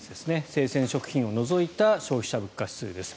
生鮮食品を除いた消費者物価指数です。